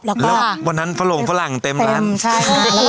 แล้ววันนั้นฝรงฝรั่งเต็มร้านใช่